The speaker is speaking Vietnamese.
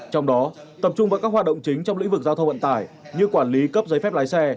trong đó tập trung vào các hoạt động chính trong lĩnh vực giao thông vận tải như quản lý cấp giấy phép lái xe